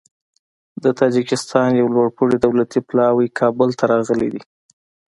د تاجکستان یو لوړپوړی دولتي پلاوی کابل ته تللی دی.